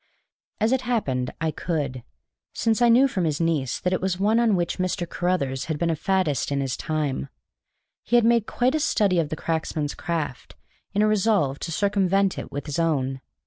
As it happened, I could, since I knew from his niece that it was one on which Mr. Carruthers had been a faddist in his time. He had made quite a study of the cracksman's craft, in a resolve to circumvent it with his own.